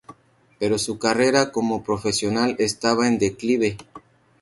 Pero su carrera como profesional estaba en declive.